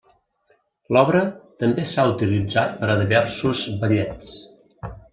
L'obra també s'ha utilitzat per a diversos ballets.